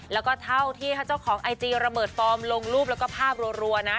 แล้วก็เท่าที่ถ้าเจ้าของไอจีระเบิดฟอร์มลงรูปแล้วก็ภาพรัวนะ